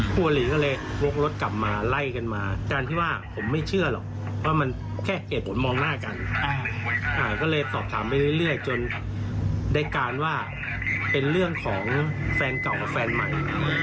ก็เลยตอบถามไปเรื่อยจนได้การว่าเป็นเรื่องของแฟนเก่าแฟนใหม่